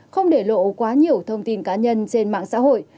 không để lộ quá nhiều thông tin cá nhân trên mạng xã hội